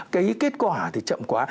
cái kết quả thì chậm quá